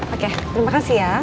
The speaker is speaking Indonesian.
oke terima kasih ya